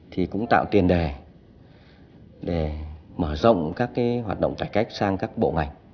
thì cũng tạo tiền đề để mở rộng các hoạt động cải cách sang các bộ ngành